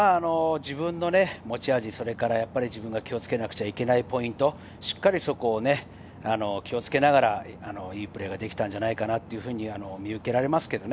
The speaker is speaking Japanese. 自分の持ち味、自分が気をつけなければいけないポイントをしっかり気をつけながら、いいプレーができたんじゃないかなと見受けられます。